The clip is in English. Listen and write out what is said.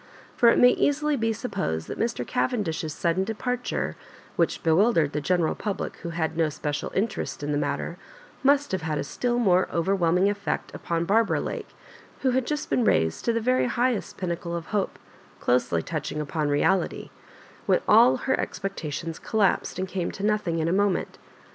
For it may^ easily be supposed that Mr. Cavendish's sudden departure, which bewildered the general public who had no special interest in the matter, must have had a still more overwhelming effect upon Barbara Lake, whohad just been raised to tho very highest pinnacle of hope, clofiiely tooehiDg upoo r^ity, when all her expectations collapsed and eame to nothing in a moment.